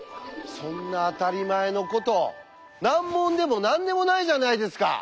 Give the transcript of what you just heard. そんな当たり前のこと難問でも何でもないじゃないですか？」